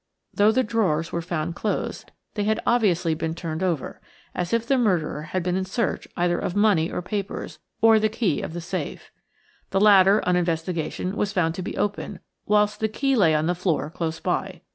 Though the drawers were found closed, they had obviously been turned over, as if the murderer had been in search either of money or papers, or the key of the safe. The latter, on investigation, was found to be open, whilst the key lay on the floor close by.